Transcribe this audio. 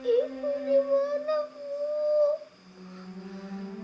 ibu dimana ibu